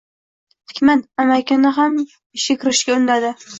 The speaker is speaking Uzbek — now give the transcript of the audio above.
Hikmat amakini ham ishga kirishga undadi